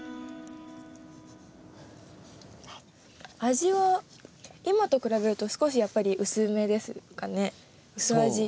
味は今と比べると少しやっぱり薄めですかね薄味。